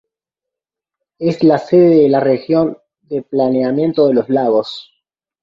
Es la sede de la Región de Planeamiento de los Lagos.